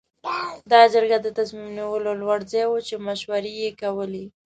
دا جرګه د تصمیم نیولو لوړ ځای و چې مشورې یې کولې.